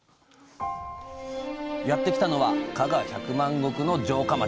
やってきたのは加賀百万石の城下町